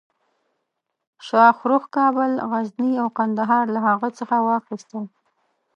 شاهرخ کابل، غزني او قندهار له هغه څخه واخیستل.